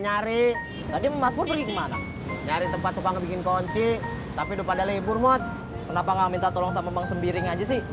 nyari nyari tempat pingin kunci tapi udah pada lebur mod kenapa minta tolong bang sembiring